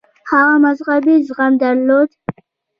هغه مذهبي زغم درلود.